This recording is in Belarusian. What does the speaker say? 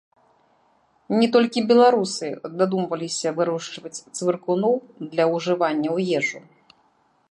Не толькі беларусы дадумваліся вырошчваць цвыркуноў для ўжывання ў ежу.